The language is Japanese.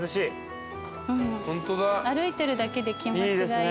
歩いてるだけで気持ちがいいですね。